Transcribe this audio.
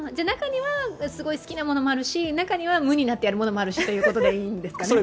中にはすごい好きなものもあるし、中には無になってやるものもあるしということですか？